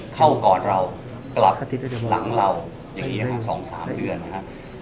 เข้าก่อนเรากลับหลังเรา๒๓เดือนนะครับ